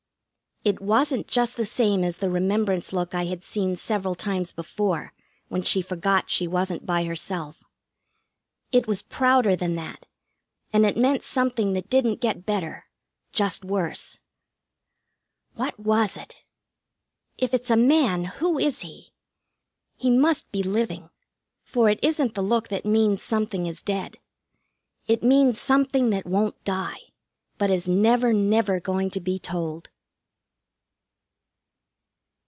It wasn't just the same as the remembrance look I had seen several times before, when she forgot she wasn't by herself. It was prouder than that, and it meant something that didn't get better just worse. What was it? If it's a man, who is he? He must be living, for it isn't the look that means something is dead. It means something that won't die, but is never, never going to be told.